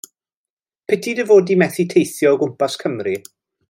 Piti dy fod di methu teithio o gwmpas Cymru.